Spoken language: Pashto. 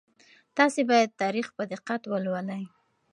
تاسي باید تاریخ په دقت ولولئ.